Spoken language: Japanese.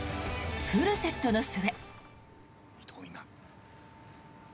フルセットの末。